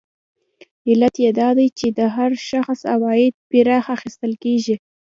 علت یې دا دی چې د هر شخص عواید پراخه اخیستل کېږي